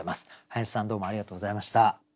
林さんどうもありがとうございました。